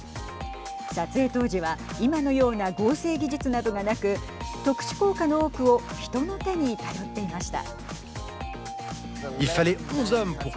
撮影当時は今のような合成技術などがなく特殊効果の多くを人の手に頼っていました。